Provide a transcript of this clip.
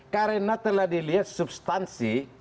karena telah dilihat substansi